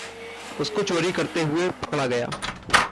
उसको चोरी करते हुए पकड़ा गया।